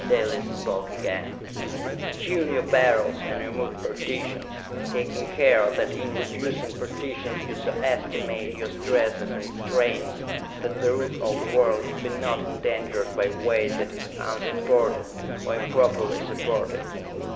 Dalis spoke again. "Tune your Beryls and remove partitions, taking care that in reducing partitions you so estimate your stresses and strains that the roof of the world be not endangered by weight that is unsupported, or improperly supported!